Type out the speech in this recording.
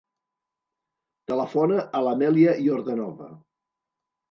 Telefona a l'Amèlia Yordanova.